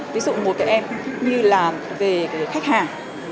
ví dụ một cái em như là về khách hàng